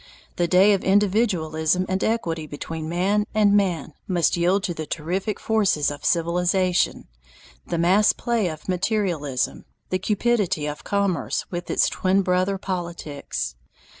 The day of individualism and equity between man and man must yield to the terrific forces of civilization, the mass play of materialism, the cupidity of commerce with its twin brother politics.